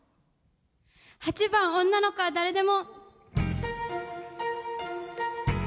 ８番「女の子は誰でも」。